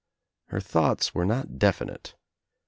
Her thoughts were not definite.